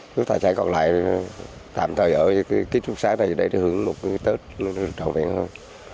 những tài sản còn lại tạm thời ở ký thúc xá này để hưởng một cái tết trọn vẹn hơn